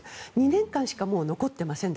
２年間しかもう残っていません。